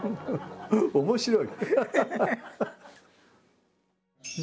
面白い！